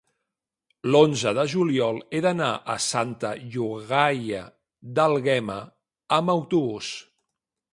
l'onze de juliol he d'anar a Santa Llogaia d'Àlguema amb autobús.